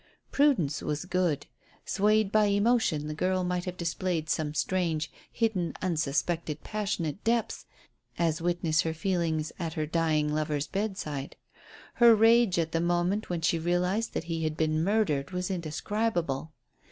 Prudence was good. Swayed by emotion the girl might have displayed some strange, hidden, unsuspected passionate depths, as witness her feelings at her dying lover's bedside. Her rage at the moment when she realized that he had been murdered was indescribable.